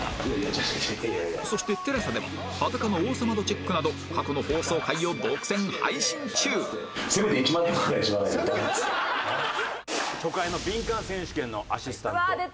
そして ＴＥＬＡＳＡ では裸の王様度チェックなど過去の放送回を独占配信中初回のビンカン選手権のアシスタント